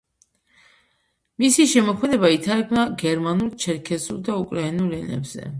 მისი შემოქმედება ითარგმნა გერმანულ, ჩერქეზულ და უკრაინულ ენებზე.